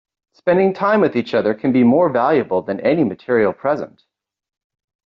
Spending time with each other can be more valuable than any material present.